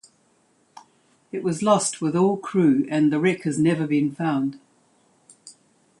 It was lost with all crew and the wreck has never been found.